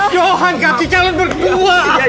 johan gak di calon berdua